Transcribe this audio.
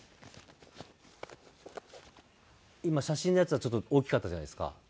今写真のやつはちょっと大きかったじゃないですか。